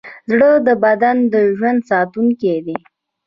زړه د بدن د ژوند ساتونکی دی.